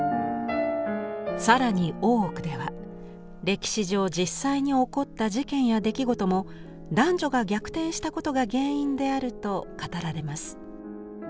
更に「大奥」では歴史上実際に起こった事件や出来事も男女が逆転したことが原因であると語られます。